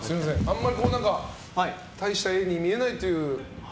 あんまり大した絵に見えないという。